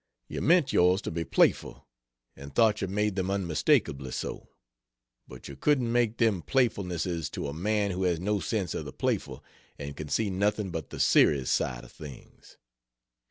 You meant yours to be playful, and thought you made them unmistakably so. But you couldn't make them playfulnesses to a man who has no sense of the playful and can see nothing but the serious side of things.